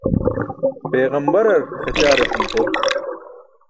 Peġambarar kaćaar etum tol.